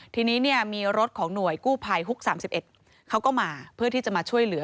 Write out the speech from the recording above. ทีนี้เนี่ยมีรถของหน่วยกู้ภัยฮุก๓๑เขาก็มาเพื่อที่จะมาช่วยเหลือ